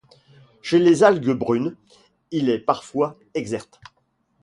Chez les algues brunes, il est parfois exert.